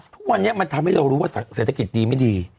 ทุกวันนี้มันทำให้เรารู้ว่าเศรษฐกิจดีไม่ดี